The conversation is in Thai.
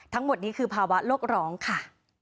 ทั้งหมดนี้คือภาวะโลกร้องค่ะ